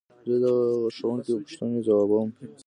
زه د ښوونکي پوښتنې ځوابوم.